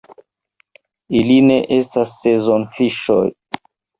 Ili ne estas sezonfiŝoj.